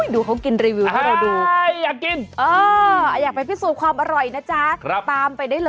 ดูเค้ากินรีวิวให้เราดู